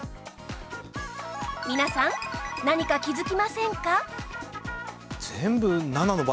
皆さん何か気づきませんか？